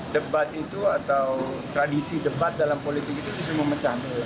debat itu atau tradisi debat dalam politik itu justru memecah